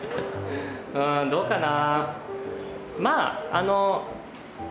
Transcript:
うんどうかな。